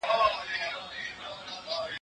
زه پرون مڼې وخوړلې،